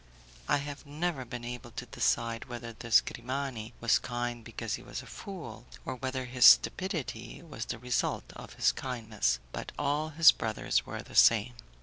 I have never been able to decide whether this Grimani was kind because he was a fool, or whether his stupidity was the result of his kindness, but all his brothers were the same.